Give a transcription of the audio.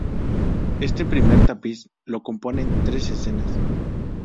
Este primer tapiz lo componen tres escenas.